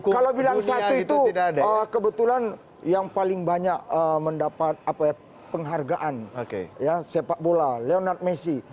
kalau bilang satu itu kebetulan yang paling banyak mendapat penghargaan sepak bola leonard messi